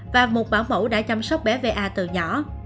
và một bảo mẫu đã chăm sóc bé a từ nhỏ